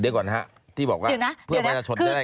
เดี๋ยวก่อนครับที่บอกว่าเพื่อว่าจะชดได้